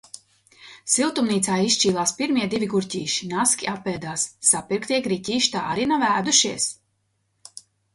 Siltumnīcā izšķīlās pirmie divi gurķīši, naski apēdās. Sapirktie griķīši tā arī nav ēdušies.